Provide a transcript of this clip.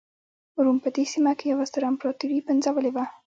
روم په دې سیمه کې یوه ستره امپراتوري پنځولې وه.